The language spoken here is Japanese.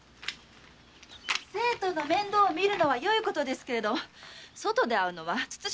生徒の面倒を見るのはよいことですけれど外で会うのは慎んだ方がよいと思います。